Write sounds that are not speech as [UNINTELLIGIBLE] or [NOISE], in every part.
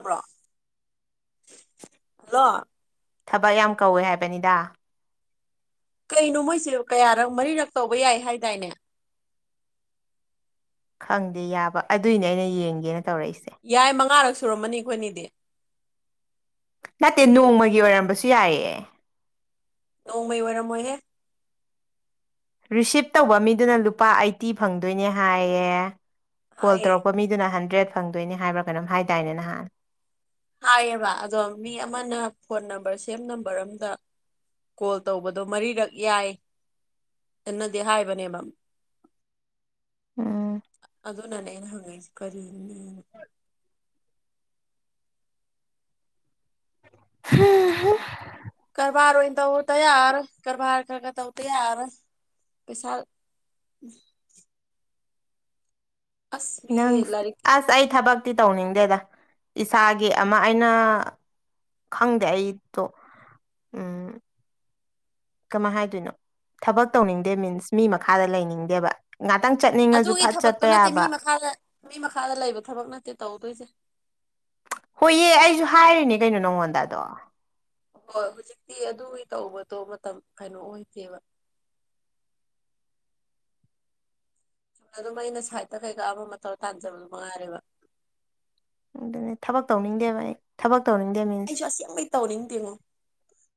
[UNINTELLIGIBLE] hello ꯊꯕꯛ ꯌꯥꯝ ꯀꯧꯋꯦ ꯍꯥꯏꯕꯅꯤꯗ ꯀꯩꯅꯣ ꯃꯣꯏꯁꯦ ꯀꯌꯥꯔꯛ ꯃꯔꯤꯔꯛ ꯇꯧꯕ ꯌꯥꯏ ꯍꯥꯏꯗꯥꯏꯅꯦ ꯈꯪꯗꯦ ꯌꯥꯕ ꯑꯗꯨꯏꯅꯦ ꯑꯩꯅ ꯌꯦꯡꯒꯦꯅ ꯇꯧꯔꯛꯏꯁꯦ ꯌꯥꯏ ꯃꯉꯥꯔꯛ ꯁꯨꯔꯝꯃꯅꯤ ꯑꯩꯈꯣꯏꯅꯤꯗꯤ ꯅꯠꯇꯦ ꯅꯣꯡꯃꯒꯤ ꯑꯣꯏꯔꯝꯕꯁꯨ ꯌꯥꯏꯌꯦ ꯅꯣꯡꯃꯩ ꯑꯣꯏꯔꯝꯃꯣꯏꯍꯦ ꯔꯤꯁꯤꯞ ꯇꯧꯕ ꯃꯤꯗꯨꯅ ꯂꯨꯄꯥ ꯑꯩꯠꯇꯤ ꯐꯪꯗꯣꯏꯅꯦ ꯍꯥꯏꯌꯦ ꯀꯣꯜ ꯍꯥꯏꯌꯦ ꯇꯧꯔꯛꯄ ꯃꯤꯗꯨꯅ ꯍꯟꯗ꯭ꯔꯦꯗ ꯐꯪꯗꯣꯏꯅꯤ ꯍꯥꯏꯕ꯭ꯔꯥ ꯀꯩꯅꯣꯝ ꯍꯥꯏꯗꯥꯏꯅꯦ ꯅꯍꯥꯟ ꯍꯥꯏꯌꯦꯕ ꯑꯗꯣ ꯃꯤ ꯑꯃꯅ ꯐꯣꯟ ꯅꯝꯕꯔ ꯁꯦꯝ ꯅꯝꯕꯔ ꯑꯝꯗ ꯀꯣꯜ ꯇꯧꯕꯗꯣ ꯃꯔꯤꯔꯛ ꯌꯥꯏ ꯑꯦ ꯅꯗꯤ ꯍꯥꯏꯕꯅꯦꯕ ꯎꯝ ꯑꯗꯨꯅꯅꯦ ꯑꯩꯅ ꯍꯪꯉꯛꯏꯁꯦ [UNINTELLIGIBLE] [UNINTELLIGIBLE] ꯀꯔꯕꯥꯥꯔ ꯑꯣꯏꯅ ꯇꯧꯗ ꯌꯥꯔꯕꯣꯏ ꯀꯔꯕꯥꯔ ꯀ ꯀ ꯇꯧꯗ ꯌꯥꯔꯔꯣꯏ ꯄꯩꯁꯥ ꯑꯁ ꯃꯤ ꯅꯪ ꯂꯥꯏꯔꯤꯛ ꯑꯁ ꯑꯩ ꯊꯕꯛ ꯇꯤ ꯇꯧꯅꯤꯡꯗꯦꯗ ꯏꯁꯥꯒꯤ ꯑꯃ ꯑꯩꯅ ꯈꯪꯗꯦ ꯑꯩꯗꯣ ꯎꯝ ꯀꯃꯥꯏ ꯍꯥꯏꯗꯣꯏꯅꯣ ꯊꯕꯛ ꯇꯧꯅꯤꯡꯗꯦ ꯃꯤꯟꯁ ꯃꯤ ꯃꯈꯥꯗ ꯂꯩꯅꯤꯡꯗꯦꯕ ꯉꯥꯛꯇꯪ ꯆꯠꯅꯤꯡꯉꯁꯨ ꯑꯗꯨꯒꯤ ꯐꯠ ꯊꯕꯛꯇꯨ ꯆꯠꯄ ꯅꯠꯇꯦ ꯃꯤ ꯌꯥꯕ ꯃꯈꯥꯗ ꯃꯤ ꯃꯈꯥꯗ ꯂꯩꯕ ꯊꯕꯛ ꯅꯠꯇꯦ ꯇꯧꯗꯣꯏꯁꯦ ꯍꯣꯏꯌꯦ ꯑꯩꯁꯨ ꯍꯥꯏꯔꯤꯅꯦ ꯀꯩꯅꯣ ꯅꯪꯉꯣꯟꯗ ꯑꯗꯣ ꯍꯣꯏ ꯍꯧꯖꯤꯛꯇꯤ ꯑꯗꯨꯒꯤ ꯇꯧꯕꯗꯣ ꯃꯇꯝ ꯀꯩꯅꯣ ꯑꯣꯏꯗꯦꯕ ꯆꯨꯝꯅ ꯑꯗꯨꯝ ꯑꯩꯅ ꯁꯥꯏꯗꯇ ꯀꯩꯀꯥ ꯑꯃ ꯑꯃ ꯇꯧ ꯇꯥꯟꯖꯕꯗꯨ ꯃꯉꯥꯏꯔꯦꯕ ꯑꯗꯨꯅꯦ ꯊꯕꯛ ꯇꯧꯅꯤꯡꯗꯦꯕ ꯑꯩ ꯊꯕꯛ ꯇꯧꯅꯤꯡꯗꯦ ꯃꯤ ꯑꯩꯁꯨ ꯑꯁꯦꯡꯕꯩ ꯇꯧꯅꯤꯡꯗꯦꯉꯣ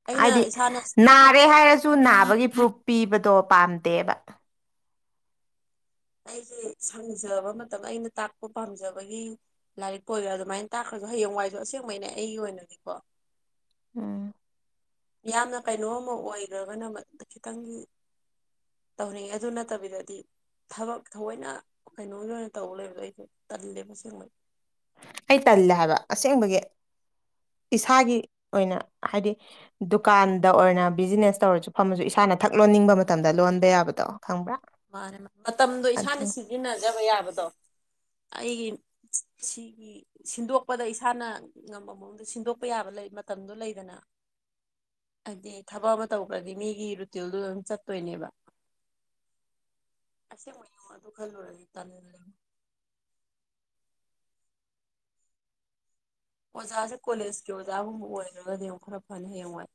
ꯑꯩꯅ ꯍꯥꯏꯗꯤ ꯏꯁꯥꯅ ꯅꯥꯔꯦ ꯍꯥꯏꯔꯁꯨ ꯁꯨ ꯅꯥꯕꯒꯤ ꯄ꯭ꯔꯨꯨꯞ ꯄꯤꯕꯗꯣ ꯄꯥꯝꯗꯦꯕ ꯑꯩꯁꯦ ꯁꯪꯖꯕ ꯃꯇꯝꯗ ꯑꯩꯅ ꯇꯥꯛꯄ ꯄꯥꯝꯖꯕꯒꯤ ꯂꯥꯏꯔꯤꯛ ꯀ ꯑꯣꯏꯔꯣ ꯑꯗꯨꯃꯥꯏꯅ ꯇꯥꯛꯈ꯭ꯔꯁꯨ ꯍꯌꯦꯡꯋꯥꯏꯁꯨ ꯑꯁꯦꯡꯕꯩꯅꯦ ꯑꯩꯒꯤ ꯑꯣꯏꯅꯗꯤꯀꯣ ꯎꯝ ꯌꯥꯝꯅ ꯀꯩꯅꯣꯝ ꯑꯃ ꯑꯣꯏꯈ꯭ꯔꯒꯅ ꯈꯤꯇꯪ ꯇꯧꯅꯤꯡꯉꯦ ꯑꯗꯨ ꯅꯠꯇꯕꯤꯗꯗꯤ ꯊꯕꯛ ꯊꯑꯣꯏꯅ ꯀꯩꯅꯣꯒꯤ ꯑꯣꯏꯅ ꯇꯧ ꯂꯩꯕꯗꯣ ꯑꯩꯁꯦ ꯇꯜꯂꯦꯕ ꯑꯁꯦꯡꯕꯩ ꯑꯩ ꯇꯜꯂꯦ ꯍꯥꯏꯕ ꯑꯁꯦꯡꯕꯒꯤ ꯏꯁꯥꯒꯤ ꯑꯣꯏꯅ ꯍꯥꯏꯗꯤ ꯗꯨꯀꯥꯟꯗ ꯑꯣꯏꯅ ꯕꯤꯖꯤꯅꯦꯁ ꯇꯧꯔꯁꯨ ꯐꯝꯃꯁꯨ ꯏꯁꯥꯅ ꯊꯛ ꯂꯣꯟꯅꯤꯡꯕ ꯃꯇꯝꯗ ꯂꯣꯟꯕ ꯌꯥꯕꯗꯣ ꯈꯪꯕ꯭ꯔꯥ ꯃꯥꯅꯦ ꯃꯇꯝꯗꯣ ꯑꯗꯨ ꯏꯁꯥꯅ ꯁꯤꯖꯤꯟꯅꯖꯕ ꯌꯥꯕꯗꯣ ꯑꯩꯒꯤ ꯁꯤꯒꯤ ꯁꯤꯟꯗꯣꯛꯄꯗ ꯏꯁꯥꯅ ꯉꯝꯕ ꯃꯑꯣꯡꯗ ꯁꯤꯟꯗꯣꯛꯄ ꯌꯥꯕ ꯂꯩ ꯃꯇꯝꯗꯣ ꯂꯩꯗꯅ ꯍꯥꯏꯗꯤ ꯊꯕꯛ ꯑꯃ ꯇꯧꯈ꯭ꯔꯗꯤ ꯃꯤꯒꯤ ꯔꯨꯇꯤꯟꯗꯨ ꯑꯗꯨꯝ ꯆꯠꯇꯣꯏꯅꯦꯕ [UNINTELLIGIBLE] ꯑꯗꯨ ꯈꯜꯂꯔꯅꯤ ꯇꯜꯂꯤ ꯑꯣꯖꯥꯁꯦ ꯀꯣꯂꯦꯖꯀꯤ ꯑꯣꯖꯥꯒꯨꯝꯕ ꯑꯣꯏꯔꯒꯗꯤ ꯌꯦꯡꯨꯛ ꯈꯔ ꯐꯅ ꯍꯌꯦꯡꯋꯥꯏ